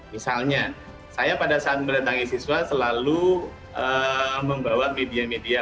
misalnya saya pada saat mendatangi siswa selalu membawa media media